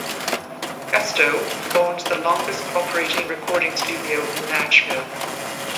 Gusto owns the longest-operating recording studio in Nashville.